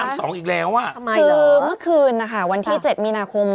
พระราช๒อีกแล้วอะคือเมื่อคืนนะคะวันที่๗มีนาคม